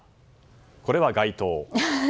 これは街灯。